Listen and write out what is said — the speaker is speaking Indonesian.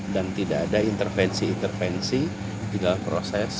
dan tidak ada intervensi intervensi di dalam proses